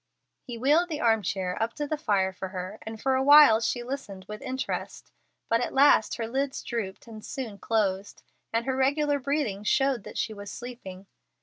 He wheeled the arm chair up to the fire for her, and for a while she listened with interest; but at last her lids drooped and soon closed, and her regular breathing showed that she was sleeping.